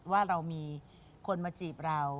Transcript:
ว่าเรามีคนมาจีบเรา